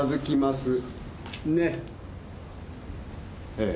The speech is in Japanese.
ええ。